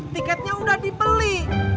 tiketnya udah dibeli